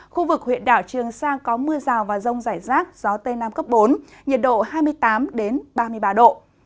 khu vực huyện đảo trường sa có mưa rào và rông rải rác gió tây nam cấp bốn nhiệt độ hai mươi tám ba mươi ba độ